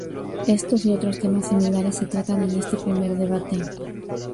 Éstos y otros temas similares se tratan en este primer debate.